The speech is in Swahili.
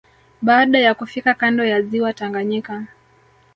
Baada ya kufika kando ya ziwa Tanganyika